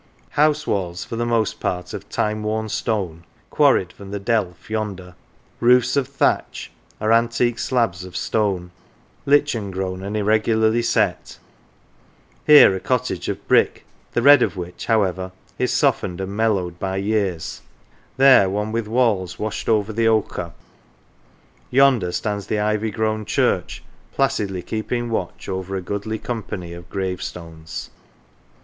House walls, for the most part of time worn stone, quarried from the "delf" yonder, roofs of thatch, or antique slabs of stone, lichen grown, and irregularly set ; here a cottage of brick, the red of which, however, is softened and mellowed by years, there one with walls washed over with ochre. Yonder stands the ivy grown church placidly keeping watch over a goodly company of 11 THORN LEIGH gravestones.